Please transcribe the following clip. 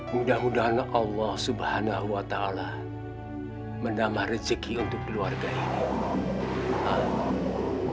mudahnya allah subhanahu wa ta'ala mendamah rezeki untuk keluarga ini mak